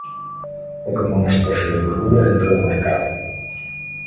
É como unha especie de burbulla dentro do mercado.